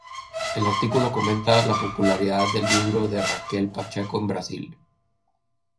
El artículo comenta la popularidad del libro de Raquel Pacheco en Brasil.